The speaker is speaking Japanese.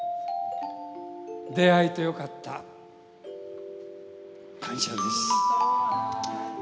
出会えてよかった、感謝です。